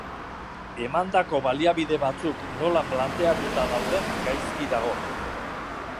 Emandako baliabide batzuk nola planteatuta dauden gaizki dago.